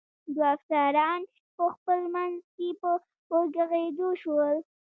دوه افسران په خپل منځ کې په وږغېدو شول.